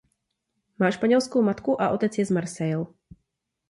Má španělskou matku a otec je z Marseille.